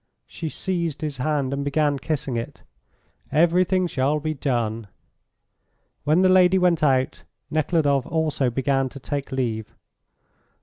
She seized his hand, and began kissing it. "Everything shall be done." When the lady went out Nekhludoff also began to take leave.